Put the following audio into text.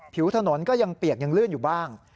ผิวถนนก็ยังเปียกยังลื่นอยู่บ้าง